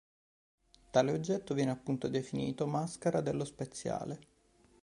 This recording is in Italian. Tale oggetto viene appunto definito "maschera dello speziale".